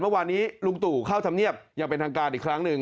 เมื่อวานนี้ลุงตู่เข้าธรรมเนียบอย่างเป็นทางการอีกครั้งหนึ่ง